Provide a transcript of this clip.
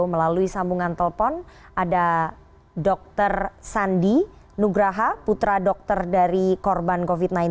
melalui sambungan telepon ada dr sandi nugraha putra dokter dari korban covid sembilan belas